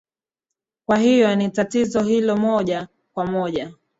kwa hiyo ni ni ni nitatizo hilo moja kwa moja